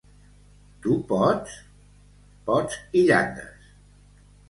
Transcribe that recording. —Tu pots? —Pots i llandes.